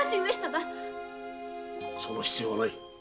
その必要はない。